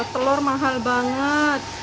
telur mahal banget